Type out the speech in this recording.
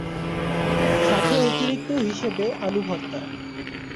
সাথে অতিরিক্ত হিসেবে আলুভর্তা।